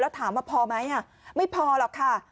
ถามว่าพอไหมไม่พอหรอกค่ะ